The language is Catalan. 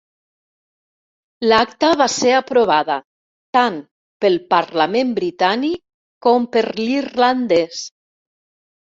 L'acta va ser aprovada tant pel Parlament britànic com per l'irlandès.